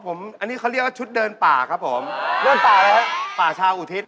อ๋อผมอันนี้เค้าเรียกว่าชุดเดินป่าครับผมเดินป่าอะไรครับ